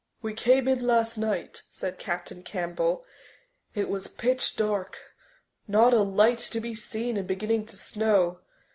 "We came in last night," said Captain Campbell, "and it was pitch dark, not a light to be seen and beginning to snow.